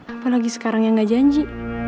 apalagi sekarang yang gak janji